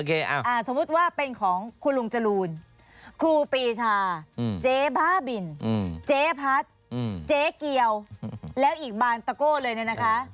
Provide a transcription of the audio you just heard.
สมมุติว่าเป็นของคุณลุงจรูนครูปีชาเจ๊บ้าบินเจ๊พัดเจ๊เกียวแล้วอีกบางตะโก้เลยเนี่ยนะคะ